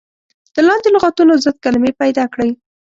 د لاندې لغتونو ضد کلمې پيداکړئ.